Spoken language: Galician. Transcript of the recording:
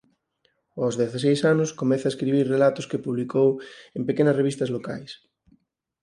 Aos dezaseis anos comeza a escribir relatos que publicou en pequenas revistas locais.